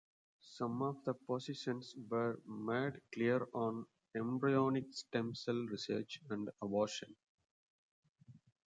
Some of the positions were made clear on embryonic stem cell research and abortion.